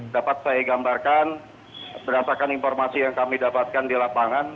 dapat saya gambarkan berdasarkan informasi yang kami dapatkan di lapangan